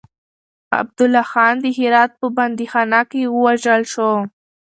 عبدالله خان د هرات په بنديخانه کې ووژل شو.